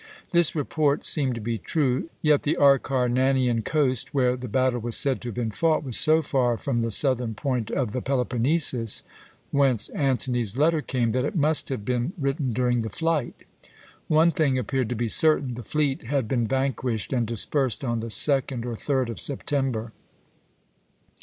This report seemed to be true, yet the Acharnanian coast, where the battle was said to have been fought, was so far from the southern point of the Peloponnesus, whence Antony's letter came, that it must have been written during the flight. One thing appeared to be certain the fleet had been vanquished and dispersed on the 2d or 3d of September.